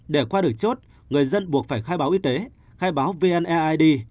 để qua được chốt người dân buộc phải khai báo y tế khai báo vneid